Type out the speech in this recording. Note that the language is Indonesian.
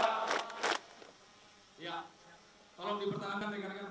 orman jirik dan anjur